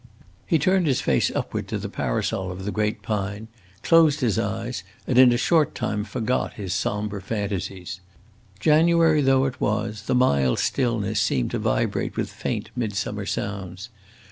He turned his face upward to the parasol of the great pine, closed his eyes, and in a short time forgot his sombre fancies. January though it was, the mild stillness seemed to vibrate with faint midsummer sounds.